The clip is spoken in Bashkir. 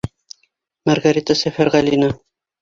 Маргарита СӘФӘРҒӘЛИНА